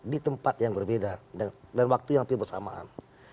di tempat yang berbeda dan waktu yang hampir bersamaan